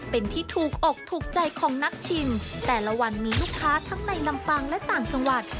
เป็นที่ถูกอกถูกใจของนักชิมแต่ละวันมีลูกค้าทั้งในลำปางและต่างจังหวัด